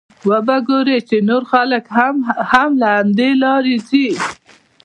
وبه ګورې چې نور خلک هم له همدې لارې ځي.